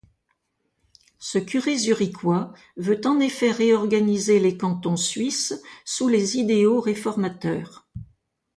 Ce curé zurichois veut en effet réorganiser les cantons suisses sous les idéaux réformateurs.